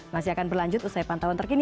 masih akan berlanjut usai pantauan terkini